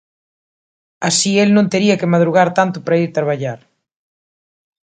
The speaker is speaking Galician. así el non tería que madrugar tanto para ir traballar.